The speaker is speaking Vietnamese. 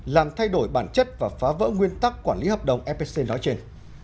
làm thay đổi bản chất và phá vỡ nguyên tắc quản lý hợp đồng fpc nói trên